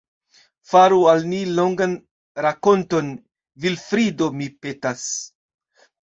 Faru al ni longan rakonton, Vilfrido, mi petas.